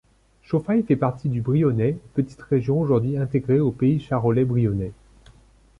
Chauffailles fait partie du Brionnais, petite région aujourd'hui intégrée au Pays Charolais Brionnais.